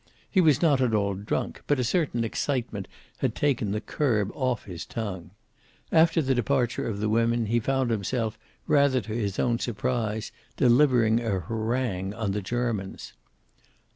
He was not at all drunk, but a certain excitement had taken the curb off his tongue. After the departure of the women he found himself, rather to his own surprise, delivering a harangue on the Germans.